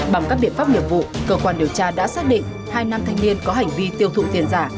bằng các biện pháp nghiệp vụ cơ quan điều tra đã xác định hai nam thanh niên có hành vi tiêu thụ tiền giả